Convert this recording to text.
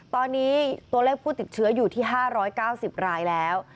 ตอนนี้ตัวเลขผู้ติดเชื้ออยู่ที่๕๙๐รายแล้ว